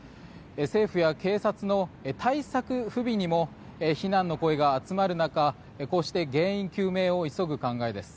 政府や警察の対策不備にも非難の声が集まる中こうして原因究明を急ぐ考えです。